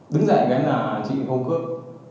đứng dậy cái là chị vô cướp